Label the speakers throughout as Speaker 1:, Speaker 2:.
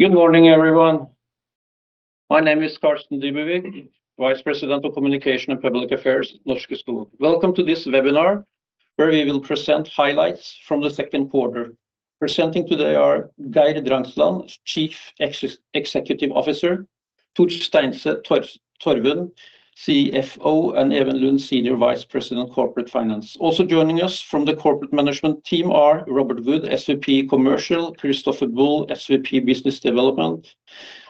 Speaker 1: Good morning, everyone. My name is Carsten Dybevig, Vice President of Communication and Public Affairs at Norske Skog. Welcome to this webinar, where we will present highlights from the second quarter. Presenting today are Geir Drangsland, Chief Executive Officer, Tord Steinset Torvund, CFO, and Even Lund, Senior Vice President of Corporate Finance. Also joining us from the corporate management team are Robert Wood, SVP Commercial, Christoffer Bull, SVP Business Development.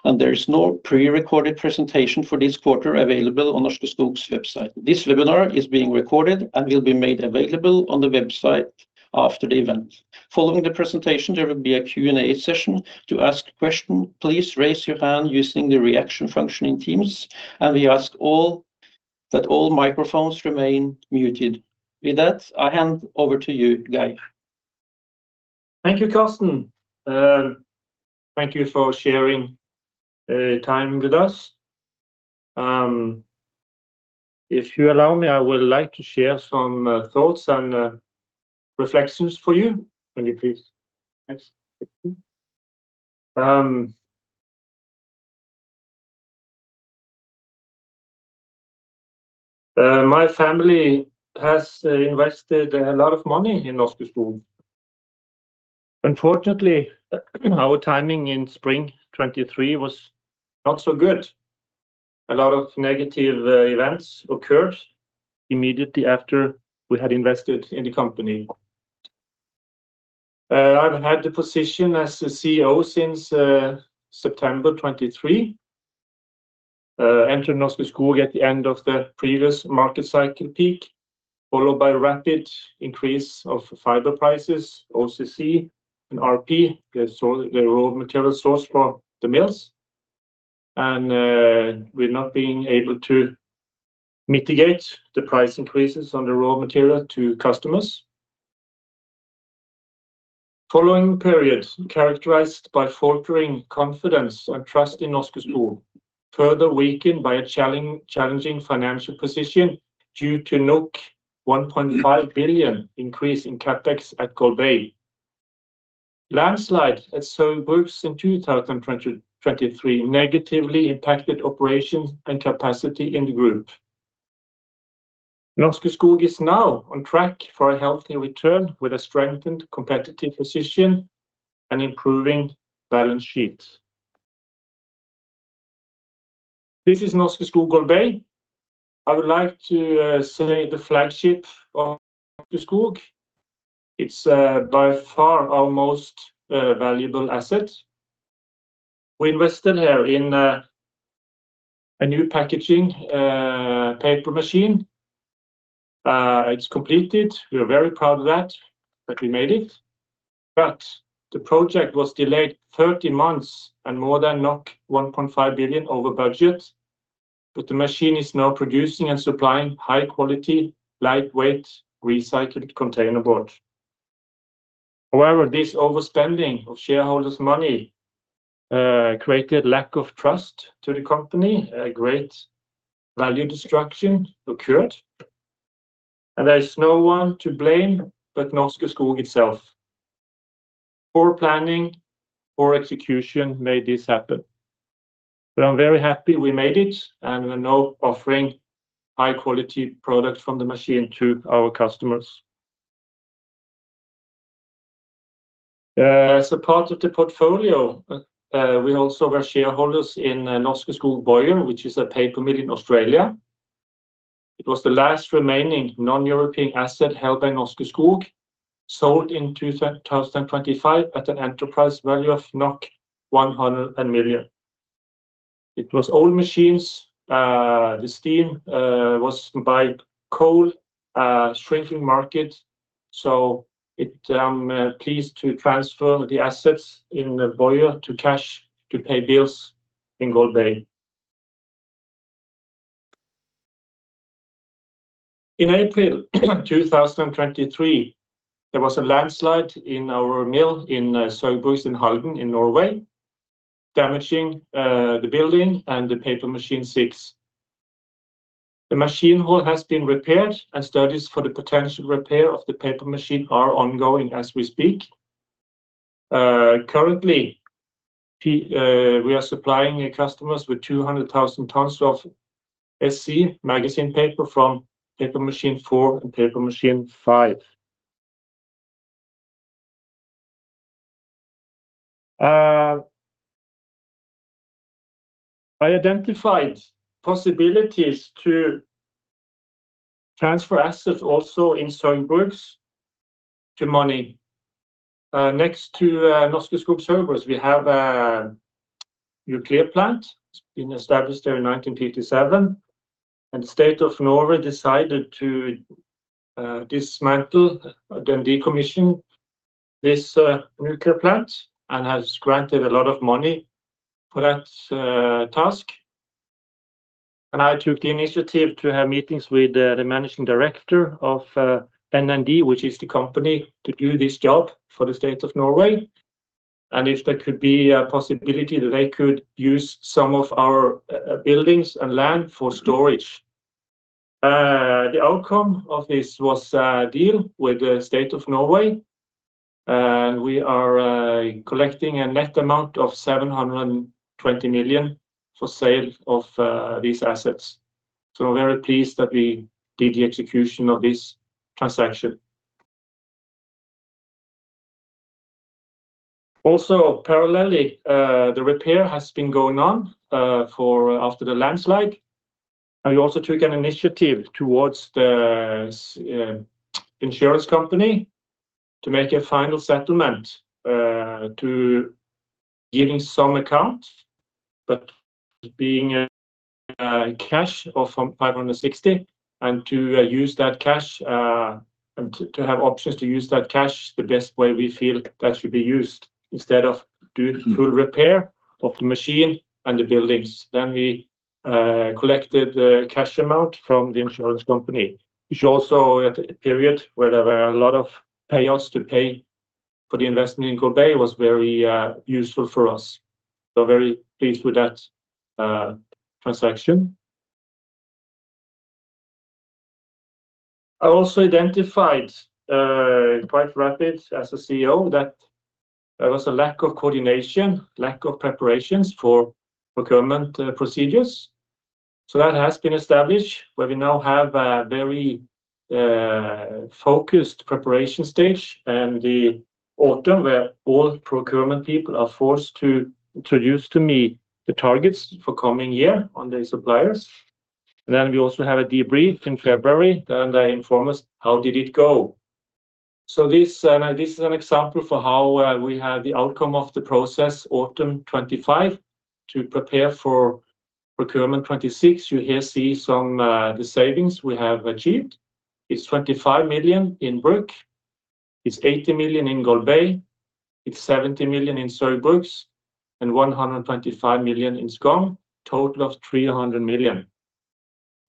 Speaker 1: There is no pre-recorded presentation for this quarter available on Norske Skog's website. This webinar is being recorded and will be made available on the website after the event. Following the presentation, there will be a Q&A session. To ask a question, please raise your hand using the reaction function in Teams, and we ask that all microphones remain muted. With that, I hand over to you, Geir.
Speaker 2: Thank you, Carsten. Thank you for sharing time with us. If you allow me, I would like to share some thoughts and reflections for you. Andy, please. Thanks. My family has invested a lot of money in Norske Skog. Unfortunately, our timing in spring 2023 was not so good. A lot of negative events occurred immediately after we had invested in the company. I've had the position as the CEO since September 2023. Entered Norske Skog at the end of the previous market cycle peak, followed by rapid increase of fiber prices, OCC, and RP, the raw material source for the mills, and with not being able to mitigate the price increases on the raw material to customers. Following period characterized by faltering confidence and trust in Norske Skog, further weakened by a challenging financial position due to 1.5 billion increase in CapEx at Golbey. Landslide at Saugbrugs in 2023 negatively impacted operations and capacity in the group. Norske Skog is now on track for a healthy return with a strengthened competitive position and improving balance sheet. This is Norske Skog Golbey. I would like to say the flagship of Norske Skog. It's by far our most valuable asset. We invested here in a new packaging paper machine. It's completed. We are very proud of that we made it. The project was delayed 30 months and more than 1.5 billion over budget. The machine is now producing and supplying high quality, lightweight, recycled containerboard. However, this overspending of shareholders' money created lack of trust to the company. A great value destruction occurred. There is no one to blame but Norske Skog itself. Poor planning, poor execution made this happen. I'm very happy we made it, and we're now offering high quality product from the machine to our customers. As a part of the portfolio, we also were shareholders in Norske Skog Boyer, which is a paper mill in Australia. It was the last remaining non-European asset held by Norske Skog, sold in 2025 at an enterprise value of 100 million. It was old machines. The steam was by coal, a shrinking market. I'm pleased to transfer the assets in Boyer to cash to pay bills in Golbey. In April 2023, there was a landslide in our mill in Saugbrugs in Halden in Norway, damaging the building and the paper machine 6. The machine hall has been repaired, and studies for the potential repair of the paper machine are ongoing as we speak. Currently, we are supplying customers with 200,000 tons of SC magazine paper from paper machine 4 and paper machine 5. I identified possibilities to transfer assets also in Saugbrugs into money. Next to Norske Skog Saugbrugs, we have a nuclear plant. It's been established there in 1957, and the state of Norway decided to dismantle and decommission this nuclear plant and has granted a lot of money for that task. I took the initiative to have meetings with the managing director of NND, which is the company to do this job for the state of Norway, and if there could be a possibility that they could use some of our buildings and land for storage. The outcome of this was a deal with the state of Norway, and we are collecting a net amount of 720 million for sale of these assets. Very pleased that we did the execution of this transaction. Also parallelly, the repair has been going on after the landslide, and we also took an initiative towards the insurance company to make a final settlement to giving some account, but being a cash of 560, and to have options to use that cash the best way we feel that should be used, instead of doing full repair of the machine and the buildings. We collected the cash amount from the insurance company, which also at a period where there were a lot of payoffs to pay for the investment in Golbey was very useful for us. Very pleased with that transaction. I also identified quite rapidly as a CEO that there was a lack of coordination, lack of preparations for procurement procedures. That has been established, where we now have a very focused preparation stage in the autumn where all procurement people are forced to introduce to me the targets for coming year on the suppliers. We also have a debrief in February, then they inform us how did it go. This is an example for how we have the outcome of the process autumn 2025 to prepare for procurement 2026. You here see some of the savings we have achieved. It's 25 million in Bruck, it's 80 million in Golbey, it's 70 million in Saugbrugs, and 125 million in Skogn, total of 300 million.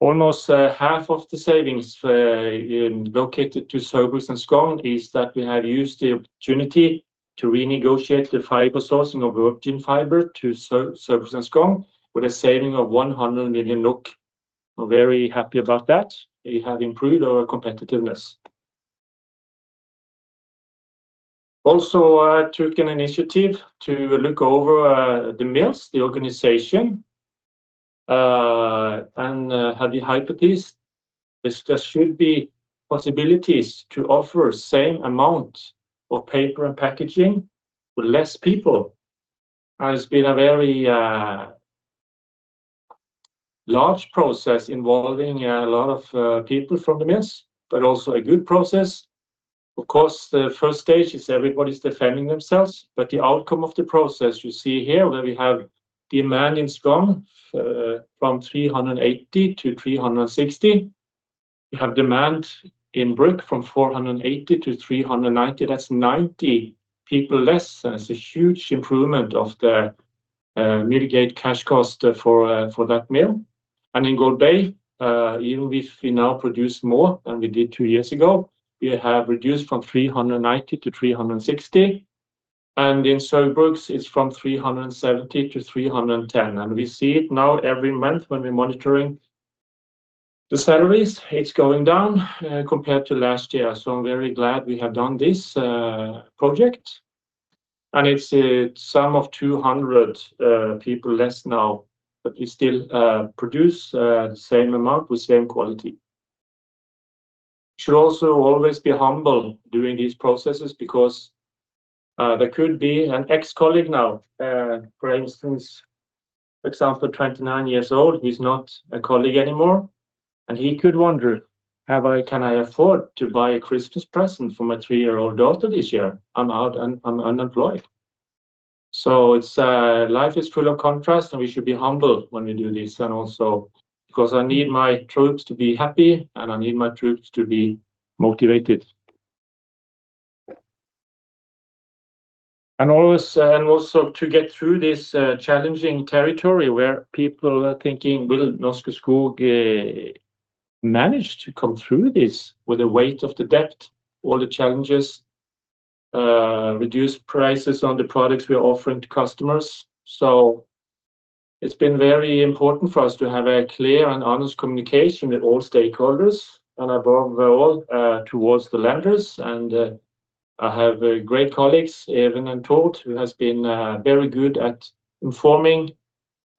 Speaker 2: Almost half of the savings located to Saugbrugs and Skogn is that we have used the opportunity to renegotiate the fiber sourcing of virgin fiber to Saugbrugs and Skogn with a saving of 100 million NOK. We're very happy about that. We have improved our competitiveness. I took an initiative to look over the mills, the organization, and had the hypothesis that there should be possibilities to offer same amount of paper and packaging with less people. It has been a very large process involving a lot of people from the mills, but also a good process. Of course, the first stage is everybody's defending themselves, but the outcome of the process you see here, where we have FTEs in Skogn from 380 to 360. We have FTEs in Bruck from 480 to 390. That's 90 people less. That's a huge improvement to mitigate cash cost for that mill. In Golbey, even if we now produce more than we did two years ago, we have reduced from 390 to 360. In Saugbrugs, it's from 370 to 310. We see it now every month when we're monitoring the salaries. It's going down compared to last year. I'm very glad we have done this project, and it's a sum of 200 people less now, but we still produce the same amount with same quality. We should also always be humble during these processes because there could be an ex-colleague now. For instance, for example, 29 years old, he's not a colleague anymore, and he could wonder, "Can I afford to buy a Christmas present for my three-year-old daughter this year? I'm out and I'm unemployed." Life is full of contrast, and we should be humble when we do this, and also because I need my troops to be happy, and I need my troops to be motivated. Also to get through this challenging territory where people are thinking, "Will Norske Skog manage to come through this with the weight of the debt, all the challenges, reduced prices on the products we are offering to customers?" It's been very important for us to have a clear and honest communication with all stakeholders and above all towards the lenders. I have great colleagues, Even and Tord, who has been very good at informing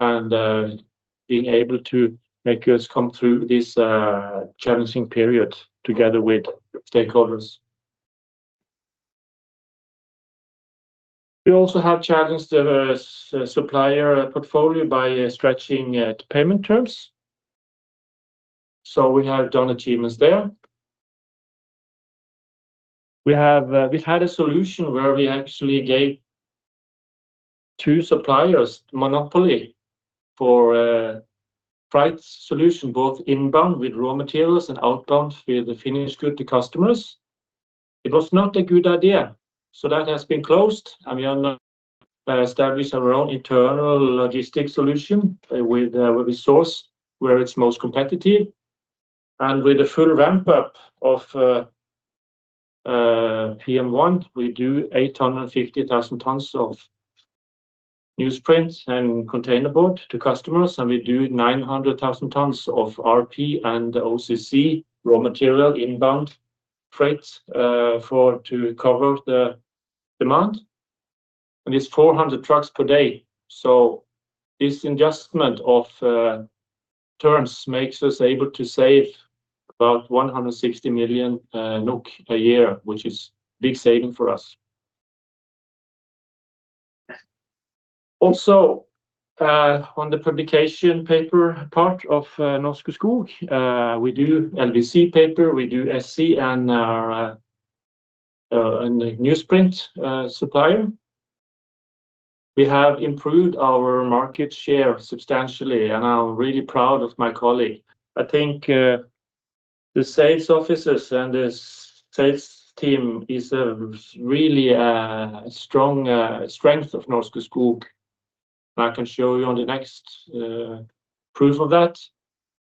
Speaker 2: and being able to make us come through this challenging period together with stakeholders. We also have challenged the supplier portfolio by stretching payment terms. We have done achievements there. We had a solution where we actually gave two suppliers monopoly for freight solution, both inbound with raw materials and outbound with the finished good to customers. It was not a good idea. That has been closed, and we are now establish our own internal logistic solution where we source where it's most competitive. With the full ramp up of PM1, we do 850,000 tons of newsprint and containerboard to customers, and we do 900,000 tons of RP and OCC raw material inbound freight to cover the demand, and it's 400 trucks per day. This adjustment of terms makes us able to save about 160 million NOK a year, which is big saving for us. On the publication paper part of Norske Skog, we do LWC paper, we do SC on our newsprint supplier. We have improved our market share substantially, and I'm really proud of my colleague. I think the sales officers and the sales team is a really strong strength of Norske Skog. I can show you on the next proof of that.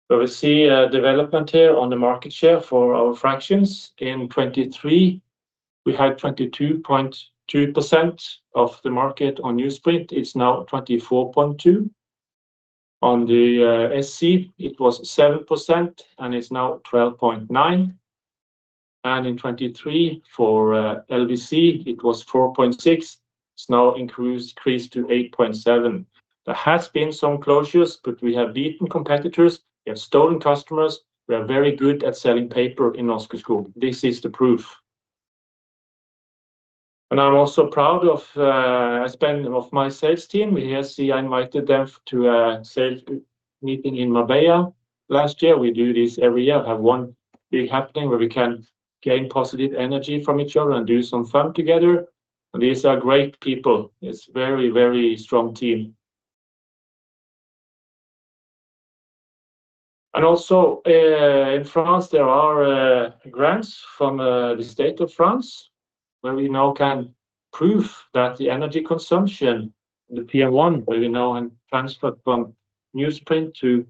Speaker 2: We see a development here on the market share for our fractions. In 2023, we had 22.2% of the market on newsprint. It's now 24.2%. On the SC, it was 7%, and it's now 12.9%. In 2023 for LWC, it was 4.6%. It's now increased to 8.7%. There has been some closures, but we have beaten competitors and stolen customers. We are very good at selling paper in Norske Skog. This is the proof. I'm also proud of my sales team. Here, see, I invited them to a sales meeting in Marbella last year. We do this every year, have one big happening where we can gain positive energy from each other and do some fun together. These are great people. It's very strong team. Also in France, there are grants from the state of France where we now can prove that the energy consumption, the PM1, where we now have transferred from newsprint to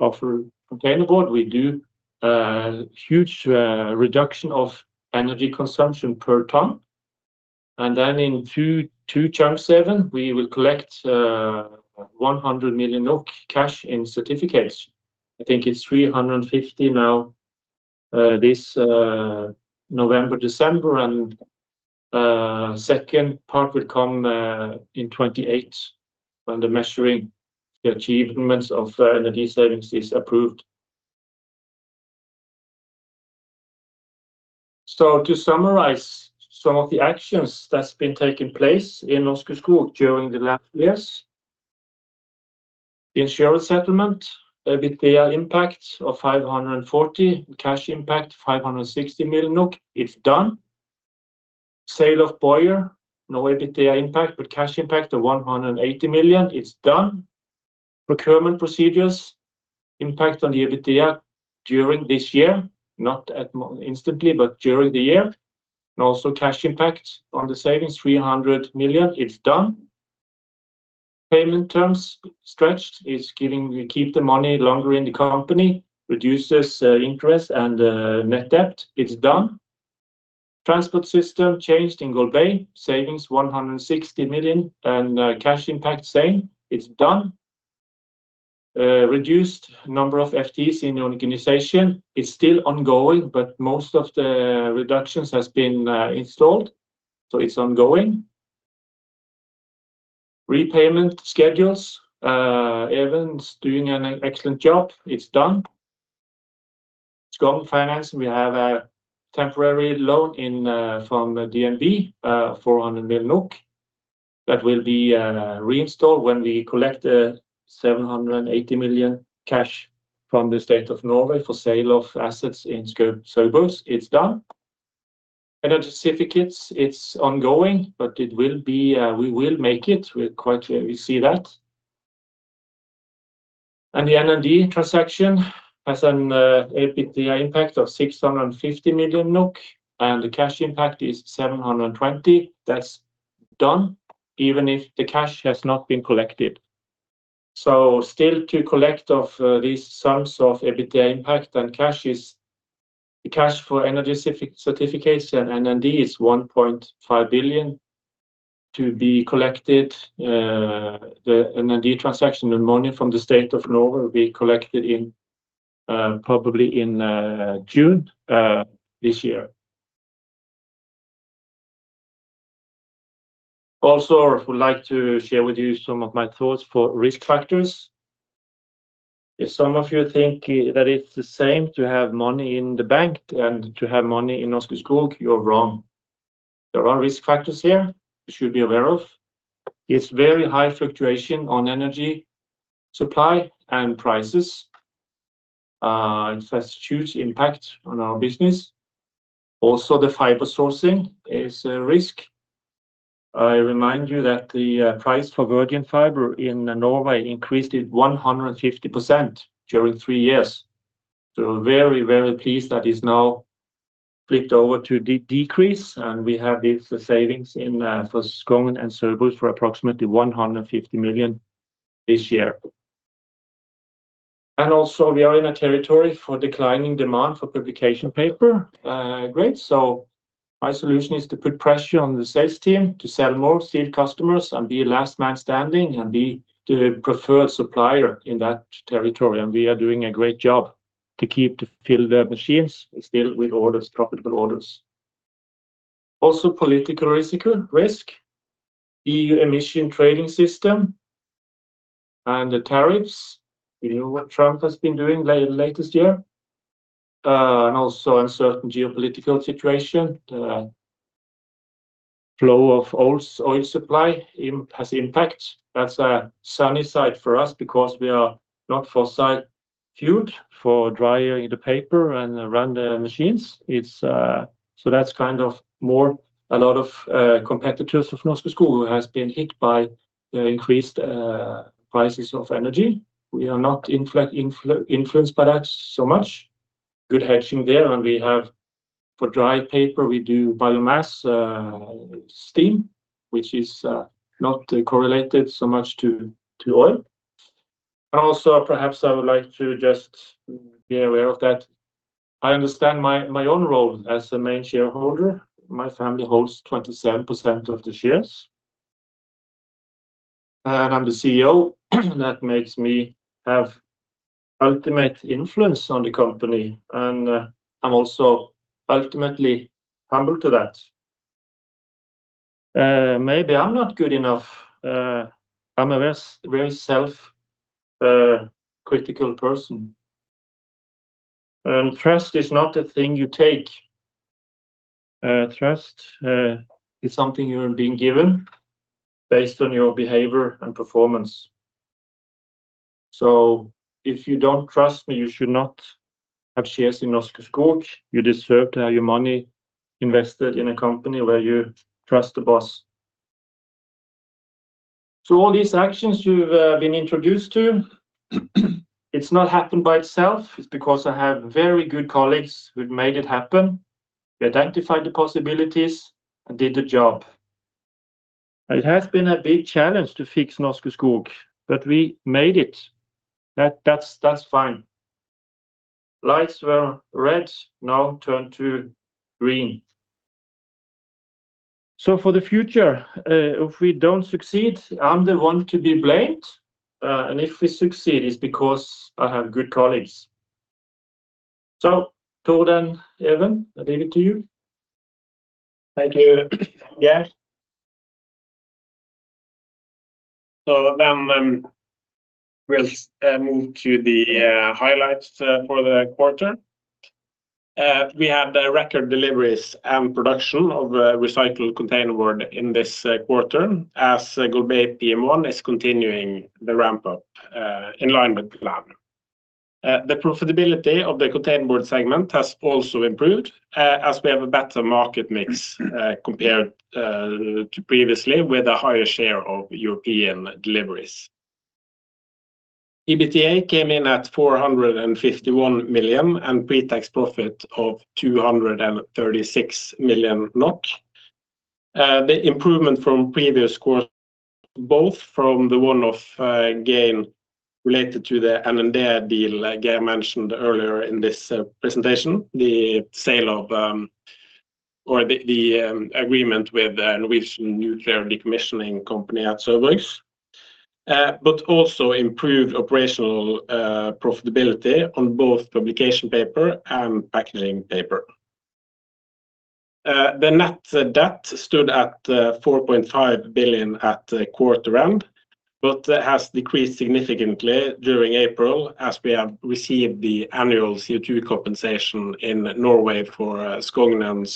Speaker 2: offer containerboard. We do huge reduction of energy consumption per ton. Then in 2027, we will collect 100 million NOK cash in certificates. I think it's 350 now this November, December, and second part will come in 2028 when the measuring the achievements of energy savings is approved. To summarize some of the actions that's been taking place in Norske Skog during the last years. The insurance settlement, EBITDA impact of 540 million, cash impact 560 million NOK. It's done. Sale of Boyer, no EBITDA impact, but cash impact of 180 million. It's done. Procurement procedures impact on the EBITDA during this year, not instantly but during the year, and also cash impact on the savings, 300 million. It's done. Payment terms stretched. It's giving keep the money longer in the company, reduces interest and net debt. It's done. Transport system changed in Golbey. Savings 160 million and cash impact same. It's done. Reduced number of FTEs in the organization, it's still ongoing, but most of the reductions has been installed, so it's ongoing. Repayment schedules. Even is doing an excellent job. It's done. Skogn Finance, we have a temporary loan in from DNB, 400 million NOK. That will be reinstalled when we collect 780 million cash from the state of Norway for sale of assets in Skogn and Saugbrugs. It's done. Energy certificates, it's ongoing, but we will make it. We're quite sure we see that. The NND transaction has an EBITDA impact of 650 million NOK, and the cash impact is 720 million. That's done, even if the cash has not been collected. Still to collect of these sums of EBITDA impact and cash is the cash for energy certification NND is 1.5 billion to be collected. The NND transaction, the money from the state of Norway will be collected probably in June this year. I would like to share with you some of my thoughts for risk factors. If some of you think that it's the same to have money in the bank and to have money in Norske Skog, you're wrong. There are risk factors here you should be aware of. It's very high fluctuation on energy supply and prices. It has huge impact on our business. Also, the fiber sourcing is a risk. I remind you that the price for virgin fiber in Norway increased 150% during three years. Very pleased that it's now flipped over to decrease, and we have this savings in for Skogn and Saugbrugs for approximately 150 million this year. Also we are in a territory for declining demand for publication paper grades. My solution is to put pressure on the sales team to sell more key customers and be last man standing and be the preferred supplier in that territory. We are doing a great job to keep to fill the machines still with profitable orders. Also political risk, EU Emissions Trading System and the tariffs. You know what Trump has been doing the latest year, and also uncertain geopolitical situation. The flow of oil supply has impact. That's a sunny side for us because we are not fossil fuel for drying the paper and run the machines. A lot of competitors of Norske Skog has been hit by the increased prices of energy. We are not influenced by that so much. Good hedging there. For dry paper, we do biomass steam, which is not correlated so much to oil. Also perhaps I would like to just be aware of that. I understand my own role as the main shareholder. My family holds 27% of the shares. I'm the CEO, that makes me have ultimate influence on the company, and I'm also ultimately humble to that. Maybe I'm not good enough. I'm a very self-critical person. Trust is not a thing you take. Trust is something you are being given based on your behavior and performance. If you don't trust me, you should not have shares in Norske Skog. You deserve to have your money invested in a company where you trust the boss. All these actions you've been introduced to, it's not happened by itself. It's because I have very good colleagues who'd made it happen. They identified the possibilities and did the job. It has been a big challenge to fix Norske Skog, but we made it. That's fine. Lights were red, now turn to green. For the future, if we don't succeed, I'm the one to be blamed. If we succeed, it's because I have good colleagues. Tord and Even, I leave it to you.
Speaker 3: Thank you, Geir. We'll move to the highlights for the quarter. We had record deliveries and production of recycled containerboard in this quarter as Golbey PM1 is continuing the ramp up in line with the plan. The profitability of the containerboard segment has also improved, as we have a better market mix compared to previously with a higher share of European deliveries. EBITDA came in at 451 million and pretax profit of 236 million NOK. The improvement from the previous quarter both from the one-off gain related to the NND deal Geir mentioned earlier in this presentation, the agreement with Norwegian Nuclear Decommissioning company at Saugbrugs, and also improved operational profitability on both publication paper and packaging paper. The net debt stood at 4.5 billion at quarter end, but has decreased significantly during April as we have received the annual CO2 compensation in Norway for Skogn and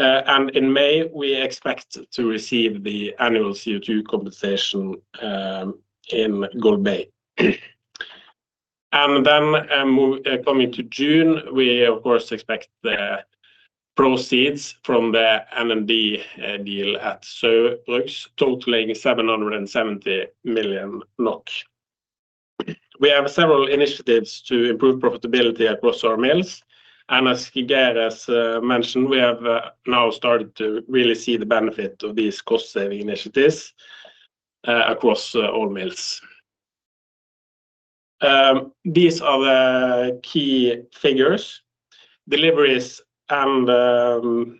Speaker 3: Saugbrugs. In May, we expect to receive the annual CO2 compensation in Golbey. Coming to June, we of course expect the proceeds from the NND deal at Saugbrugs totaling 770 million NOK. We have several initiatives to improve profitability across our mills, and as Geir has mentioned, we have now started to really see the benefit of these cost saving initiatives across all mills. These are the key figures, deliveries and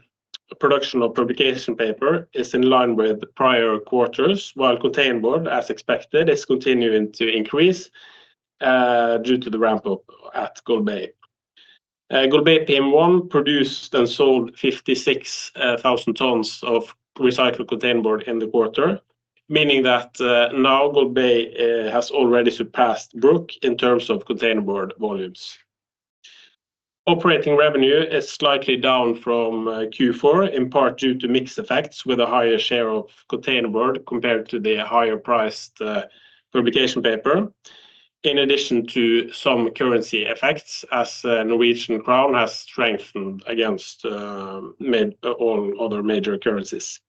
Speaker 3: production of publication paper is in line with prior quarters, while containerboard, as expected, is continuing to increase due to the ramp up at Golbey. Golbey PM1 produced and sold 56,000 tons of recycled containerboard in the quarter, meaning that now Golbey has already surpassed Bruck in terms of containerboard volumes. Operating revenue is slightly down from Q4, in part due to mix effects with a higher share of containerboard compared to the higher priced publication paper, in addition to some currency effects, as the Norwegian krone has strengthened against all other major currencies.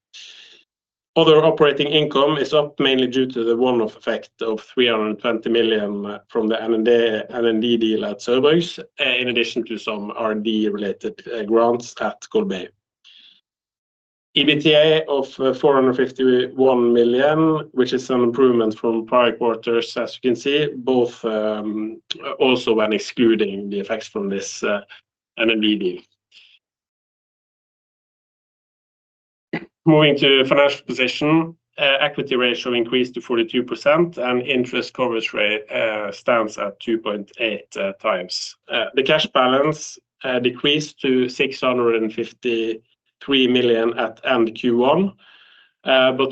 Speaker 3: Other operating income is up mainly due to the one-off effect of 320 million from the NND deal at Saugbrugs, in addition to some R&D related grants at Golbey. EBITDA of 451 million, which is an improvement from prior quarters, as you can see, both also when excluding the effects from this NND deal. Moving to financial position, equity ratio increased to 42% and interest coverage rate stands at 2.8x. The cash balance decreased to 653 million at end Q1.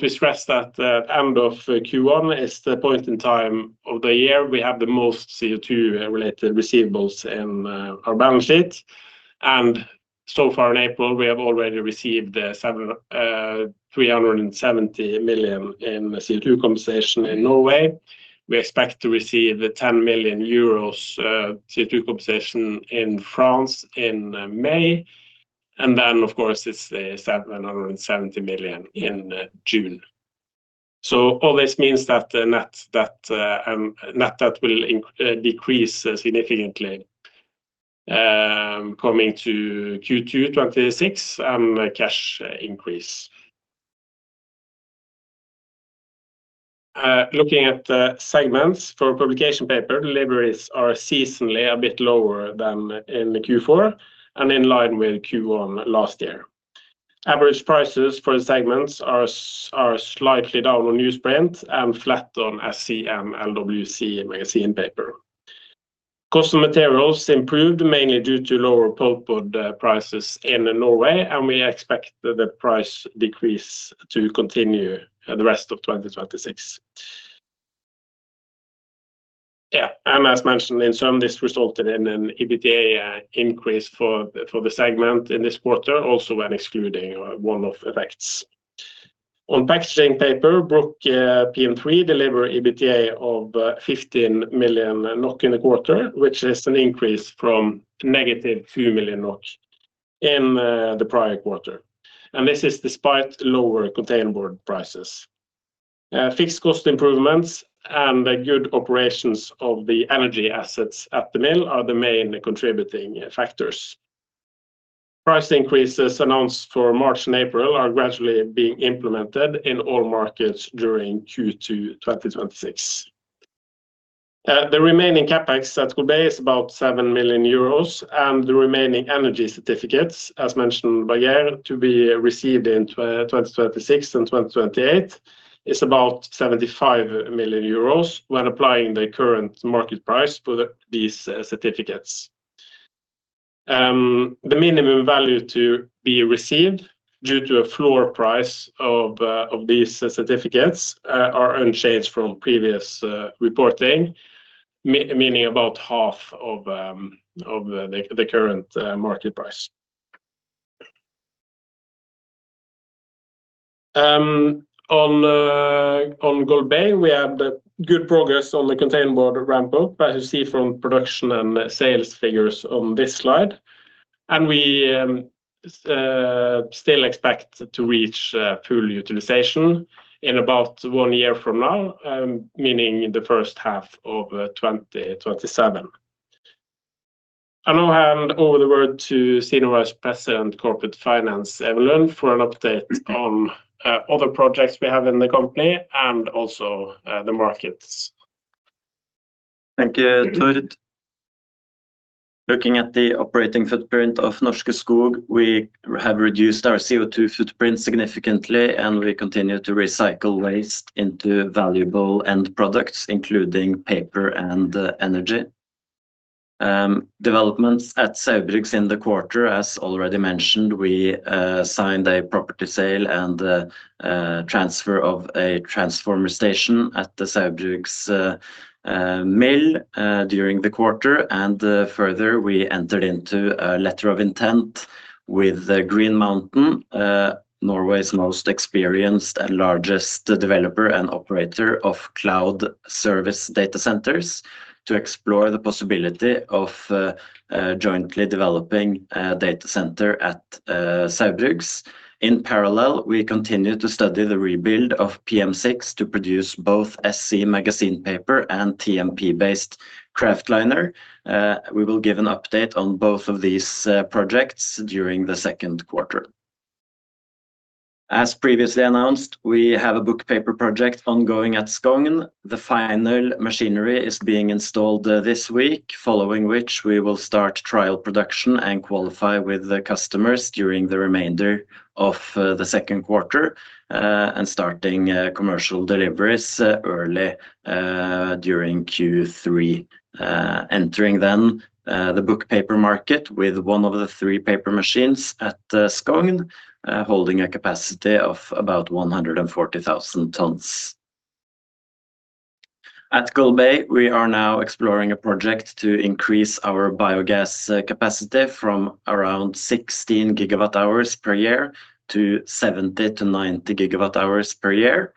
Speaker 3: We stress that end of Q1 is the point in time of the year we have the most CO2-related receivables in our balance sheet. So far in April, we have already received 370 million in CO2 compensation in Norway. We expect to receive the 10 million euros CO2 compensation in France in May. Then of course it's the 770 million in June. All this means that net debt will decrease significantly, coming to Q2 2026 cash increase. Looking at the segments for publication paper, deliveries are seasonally a bit lower than in the Q4 and in line with Q1 last year. Average prices for the segments are slightly down on newsprint and flat on SC and LWC magazine paper. Cost of materials improved mainly due to lower pulpboard prices in Norway, and we expect the price decrease to continue the rest of 2026. As mentioned in sum, this resulted in an EBITDA increase for the segment in this quarter also when excluding one-off effects. On packaging paper, Bruck PM3 delivered EBITDA of 15 million NOK in the quarter, which is an increase from -2 million NOK in the prior quarter. This is despite lower containerboard prices. Fixed cost improvements and good operations of the energy assets at the mill are the main contributing factors. Price increases announced for March and April are gradually being implemented in all markets during Q2 2026. The remaining CapEx at Boyer is about 7 million euros, and the remaining energy certificates, as mentioned by Geir, to be received in 2026 and 2028 is about 75 million euros when applying the current market price for these certificates. The minimum value to be received due to a floor price of these certificates are unchanged from previous reporting, meaning about half of the current market price. On Golbey, we had good progress on the containerboard ramp-up, as you see from production and sales figures on this slide. We still expect to reach full utilization in about one year from now, meaning in the first half of 2027. I now hand over the word to Senior Vice President Corporate Finance, Even Lund, for an update on other projects we have in the company and also the markets.
Speaker 4: Thank you, Tord. Looking at the operating footprint of Norske Skog, we have reduced our CO2 footprint significantly, and we continue to recycle waste into valuable end products, including paper and energy. Developments at Saugbrugs in the quarter, as already mentioned, we signed a property sale and transfer of a transformer station at the Saugbrugs mill during the quarter. Further, we entered into a letter of intent with Green Mountain, Norway's most experienced and largest developer and operator of cloud service data centers, to explore the possibility of jointly developing a data center at Saugbrugs. In parallel, we continue to study the rebuild of PM6 to produce both SC magazine paper and TMP-based kraftliner. We will give an update on both of these projects during the second quarter. As previously announced, we have a book paper project ongoing at Skogn. The final machinery is being installed this week, following which we will start trial production and qualify with the customers during the remainder of the second quarter, and starting commercial deliveries early during Q3, entering then the book paper market with one of the three paper machines at Skogn, holding a capacity of about 140,000 tons. At Golbey, we are now exploring a project to increase our biogas capacity from around 16 GWh per year to 70 GWh-90 GWh per year,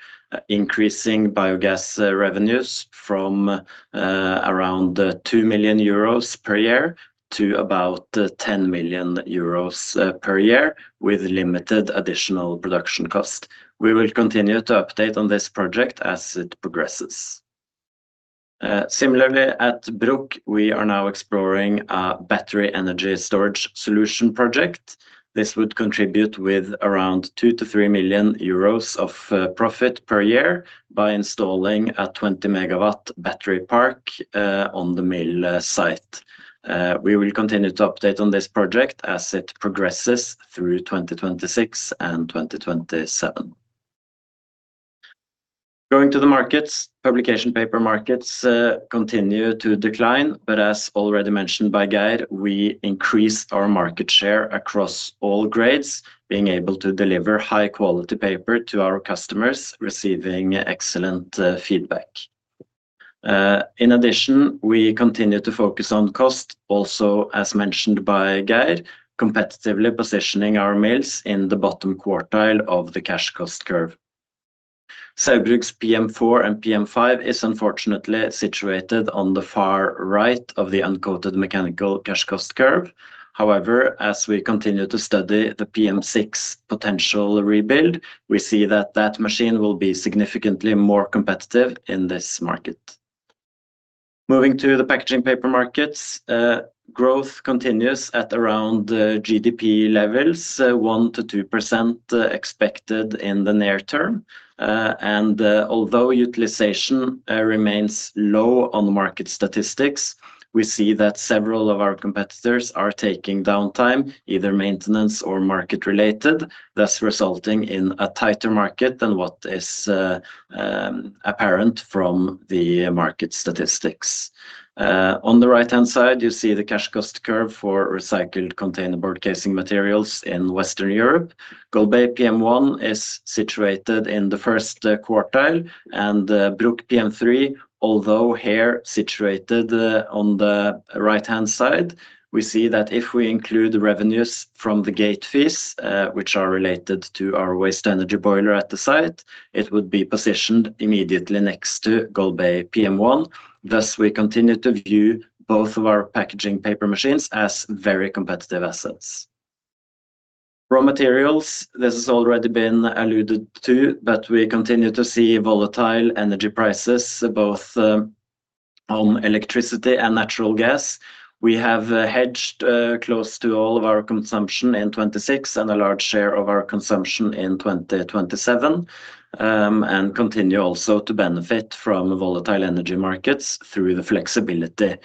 Speaker 4: increasing biogas revenues from around 2 million euros per year to about 10 million euros per year with limited additional production cost. We will continue to update on this project as it progresses. Similarly, at Bruck, we are now exploring a battery energy storage solution project. This would contribute with around 2 million-3 million euros of profit per year by installing a 20 MW battery park on the mill site. We will continue to update on this project as it progresses through 2026 and 2027. Going to the markets, publication paper markets continue to decline, but as already mentioned by Geir, we increased our market share across all grades, being able to deliver high-quality paper to our customers, receiving excellent feedback. In addition, we continue to focus on cost, also as mentioned by Geir, competitively positioning our mills in the bottom quartile of the cash cost curve. Saugbrugs PM4 and PM5 is unfortunately situated on the far right of the uncoated mechanical cash cost curve. However, as we continue to study the PM6 potential rebuild, we see that that machine will be significantly more competitive in this market. Moving to the packaging paper markets, growth continues at around GDP levels, 1%-2% expected in the near term. Although utilization remains low on market statistics, we see that several of our competitors are taking downtime, either maintenance or market-related, thus resulting in a tighter market than what is apparent from the market statistics. On the right-hand side, you see the cash cost curve for recycled containerboard casing materials in Western Europe. Golbey PM1 is situated in the first quartile, and Bruck PM3, although here situated on the right-hand side, we see that if we include the revenues from the gate fees, which are related to our waste energy boiler at the site, it would be positioned immediately next to Golbey PM1. Thus, we continue to view both of our packaging paper machines as very competitive assets. Raw materials. This has already been alluded to, but we continue to see volatile energy prices, both on electricity and natural gas. We have hedged close to all of our consumption in 2026 and a large share of our consumption in 2027, and continue also to benefit from volatile energy markets through the flexibility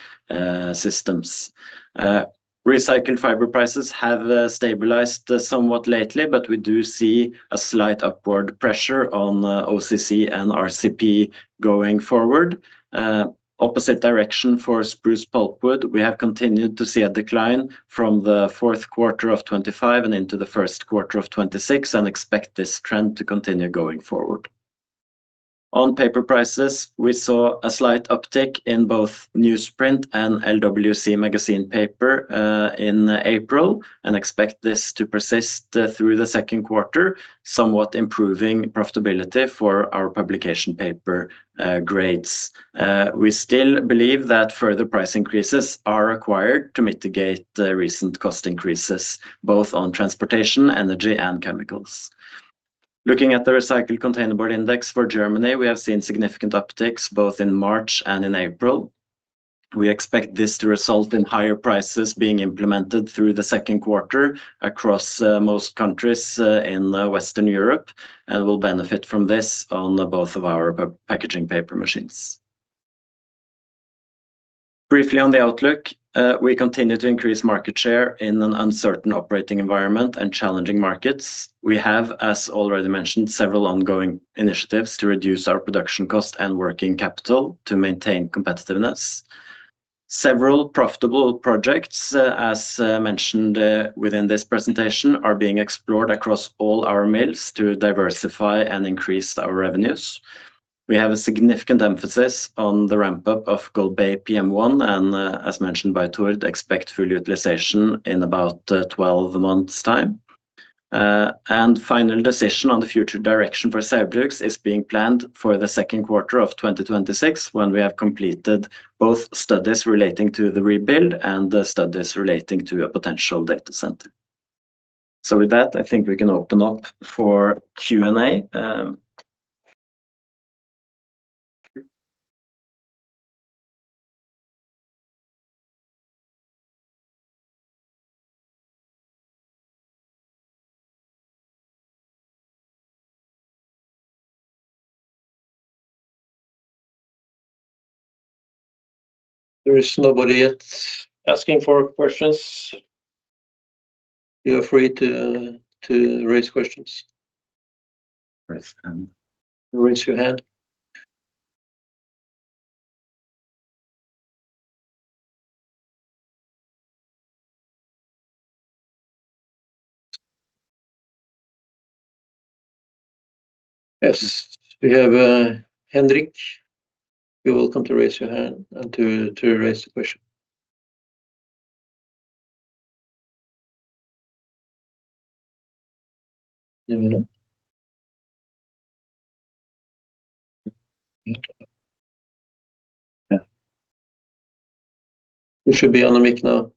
Speaker 4: systems. Recycled fiber prices have stabilized somewhat lately, but we do see a slight upward pressure on OCC and RCP going forward. Opposite direction for spruce pulpwood. We have continued to see a decline from the fourth quarter of 2025 and into the first quarter of 2026 and expect this trend to continue going forward. On paper prices, we saw a slight uptick in both newsprint and LWC magazine paper in April and expect this to persist through the second quarter, somewhat improving profitability for our publication paper grades. We still believe that further price increases are required to mitigate the recent cost increases, both on transportation, energy, and chemicals. Looking at the recycled containerboard index for Germany, we have seen significant upticks both in March and in April. We expect this to result in higher prices being implemented through the second quarter across most countries in Western Europe and will benefit from this on both of our packaging paper machines. Briefly on the outlook, we continue to increase market share in an uncertain operating environment and challenging markets. We have, as already mentioned, several ongoing initiatives to reduce our production cost and working capital to maintain competitiveness. Several profitable projects, as mentioned within this presentation, are being explored across all our mills to diversify and increase our revenues. We have a significant emphasis on the ramp-up of Golbey PM1, and as mentioned by Tord, expect full utilization in about 12 months' time. Final decision on the future direction for Saugbrugs is being planned for the second quarter of 2026 when we have completed both studies relating to the rebuild and the studies relating to a potential data center. With that, I think we can open up for Q&A.
Speaker 1: There is nobody yet asking for questions. Feel free to raise questions.
Speaker 4: Raise hand.
Speaker 1: Raise your hand. Yes. We have Henrik. You're welcome to raise your hand and to raise the question. You should be on a mic now.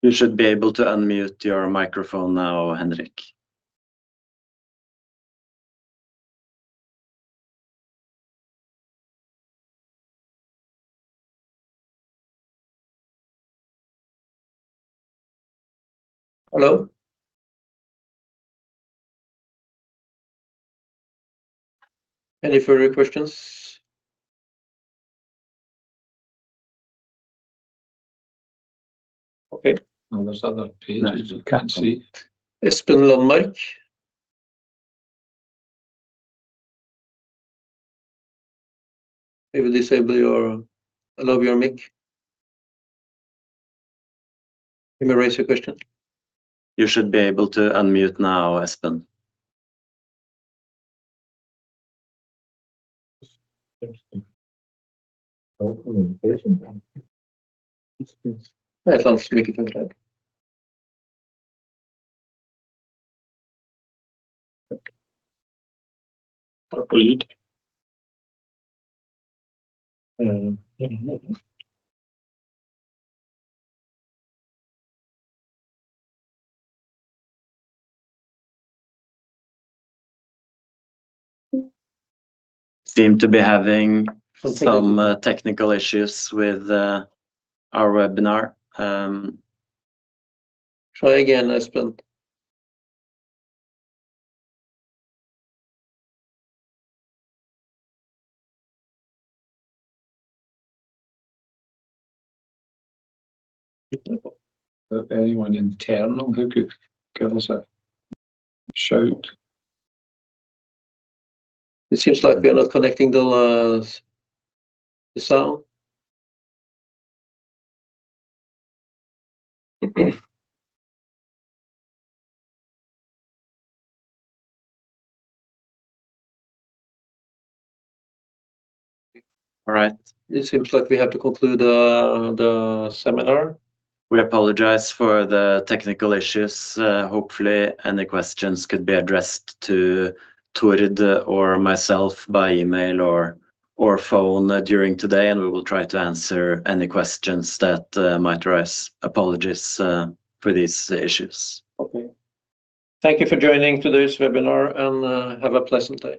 Speaker 4: You should be able to unmute your microphone now, Henrik.
Speaker 1: Hello. Any further questions? Okay. Now there's others, but you can't see. Espen on mic. Maybe disable or allow your mic. You may raise your question.
Speaker 4: You should be able to unmute now, Espen. Seem to be having some technical issues with our webinar.
Speaker 1: Try again, Espen. Anyone internal who could give us a shout? It seems like we are not connecting the sound.
Speaker 4: All right. It seems like we have to conclude the seminar. We apologize for the technical issues. Hopefully any questions could be addressed to Tord or myself by email or phone during today, and we will try to answer any questions that might arise. Apologies for these issues.
Speaker 1: Okay. Thank you for joining today's webinar, and have a pleasant day.